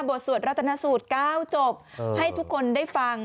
สวดรัตนสูตร๙จบให้ทุกคนได้ฟัง